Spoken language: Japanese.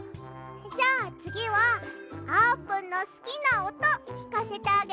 じゃあつぎはあーぷんのすきなおときかせてあげるね。